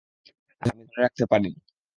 আমি ধরে রাখতে পারিনি।